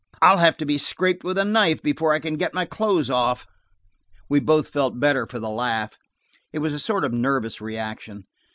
"I'll have to be scraped with a knife before I can get my clothes off." We both felt better for the laugh; it was a sort of nervous reaction.